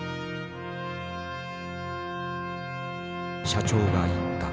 社長が言った。